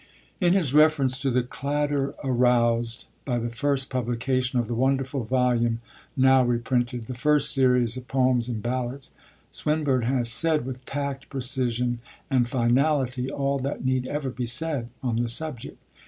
In his reference to the 'clatter aroused' by the first publication of the wonderful volume now reprinted, the first series of Poems and Ballads, Swinburne has said with tact, precision, and finality all that need ever be said on the subject.